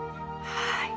はい。